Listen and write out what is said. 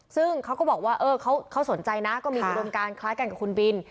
ซึ่งเขาก็บอกว่าเขาสนใจนะก็มีอุดมการคล้ายกันกับคุณบิน